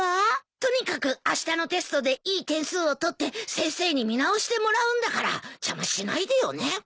とにかくあしたのテストでいい点数を取って先生に見直してもらうんだから邪魔しないでよね。